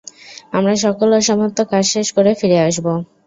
আমার সকল অসমাপ্ত কাজ শেষ করে ফিরে আসবো।